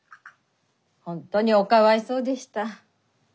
本当におかわいそうでした。